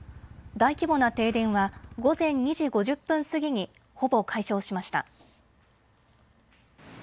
大規模な停電は午前２時５０分過ぎにほぼ解消しました。